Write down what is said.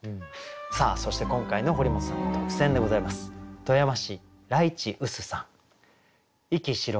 さあそして今回の堀本さんの特選でございます。